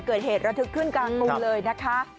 เกิดเหตุระทึกขึ้นกลางกรุงเลยนะคะ